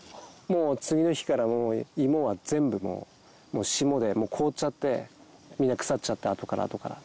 もう次の日から芋は全部霜で凍っちゃってみんな腐っちゃってあとからあとから。